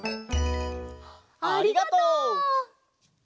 ありがとう。